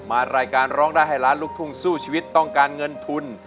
รายการร้องได้ให้ล้านลูกทุ่งสู้ชีวิตต้องการเงินทุน